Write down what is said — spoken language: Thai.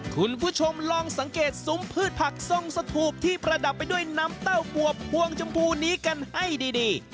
คุณผู้ชมลองสังเกตซุ้มพืชผักทรงสถูปที่ประดับไปด้วยน้ำเต้าบวบพวงชมพูนี้กันให้ดี